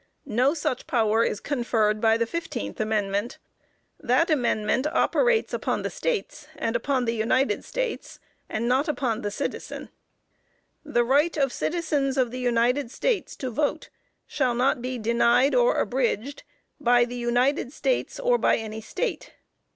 No such power is conferred by the fifteenth amendment. That amendment operates upon the States and upon the United States, and not upon the citizen. "The right of citizens of the United States to vote, shall not be denied or abridged by 'THE UNITED STATES OR BY ANY STATE.'"